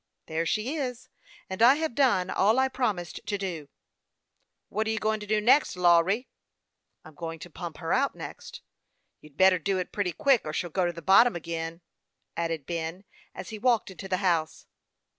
" There she is ; and I have done all I promised to do." "What you going to do next, Lawry?" " I'm going to pump her out next." " You'd better do it pretty quick, or she'll go to the bottom again," added Ben, as he walked into the house.